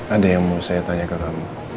ada yang mau saya tanya ke kami